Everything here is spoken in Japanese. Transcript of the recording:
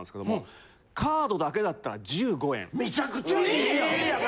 めちゃくちゃええやん！